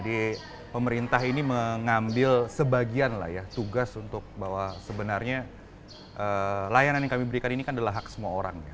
jadi pemerintah ini mengambil sebagian lah ya tugas untuk bahwa sebenarnya layanan yang kami berikan ini kan adalah hak semua orang ya